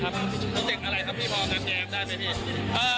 โปรเจ็คอะไรครับมีพอแบบแดงได้ไหมพี่